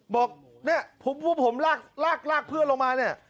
บอกเนี่ยพวกผมลากลากเพื่อนลงมาเนี่ย